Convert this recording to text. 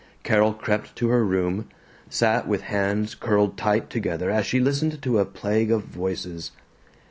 Carol crept to her room, sat with hands curled tight together as she listened to a plague of voices.